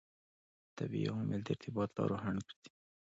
طبیعي عوامل د ارتباط لارو خنډ ګرځي.